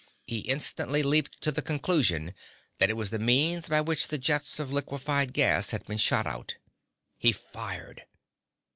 He instantly leaped to the conclusion that it was the means by which the jets of liquified gas had been shot out. He fired.